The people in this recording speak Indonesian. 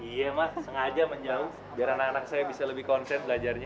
iya mas sengaja menjauh biar anak anak saya bisa lebih konsen belajarnya